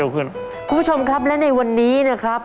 คุณผู้ชมครับและในวันนี้นะครับ